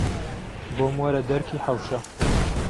بۆم وهره دهرکی حهوشه